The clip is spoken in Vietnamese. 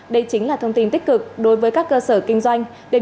đây chính là thông tin tích cực đối với các cơ sở kinh doanh